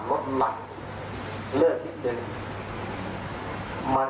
และรถหลังเลิกนิดหนึ่ง